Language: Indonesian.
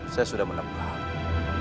saya sudah menepat